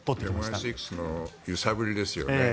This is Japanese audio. ＭＩ６の揺さぶりですよね。